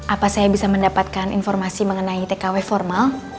apa saya bisa mendapatkan informasi mengenai tkw formal